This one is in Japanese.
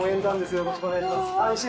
よろしくお願いします。